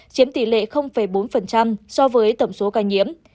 chiếm tỷ lệ bốn so với tổng số ca nhiễm